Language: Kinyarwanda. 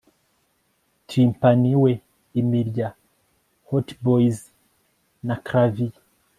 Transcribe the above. tympani we, imirya, hautboys na clavier